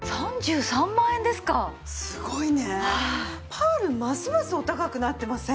パールますますお高くなってません？